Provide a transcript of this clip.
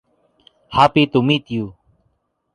Happy to meet you.